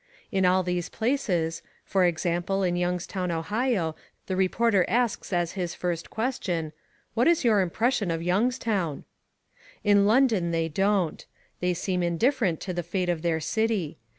In all these places for example, in Youngstown, Ohio the reporter asks as his first question, "What is your impression of Youngstown?" In London they don't. They seem indifferent to the fate of their city.